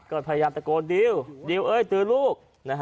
ก็พยายามตะโกนดิวดิวเอ้ยตือลูก